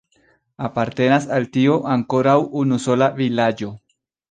Apartenas al tio ankoraŭ unusola vilaĝo.